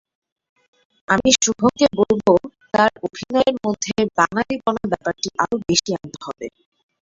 আমি শুভকে বলব, তার অভিনয়ের মধ্যে বাঙালিপনা ব্যাপারটি আরও বেশি আনতে হবে।